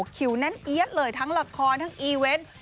คิวแน่นเอี๊ยดเลยทั้งละครทั้งอีเวนต์